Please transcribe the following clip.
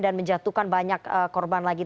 dan menjatuhkan banyak konflik